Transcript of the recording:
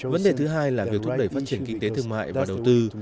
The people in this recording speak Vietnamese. vấn đề thứ hai là việc thúc đẩy phát triển kinh tế thương mại và đầu tư